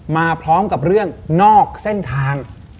มาพร้อมกับเรื่องนอกเส้นทาง